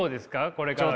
これからは。